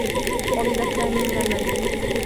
طُرد سامي من المنزل.